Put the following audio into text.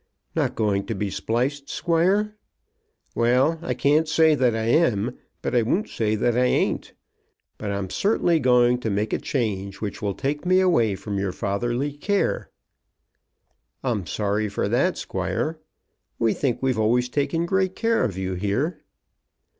"Not going to be spliced, squire?" "Well; I can't say that I am, but I won't say that I ain't. But I'm certainly going to make a change which will take me away from your fatherly care." "I'm sorry for that, squire. We think we've always taken great care of you here."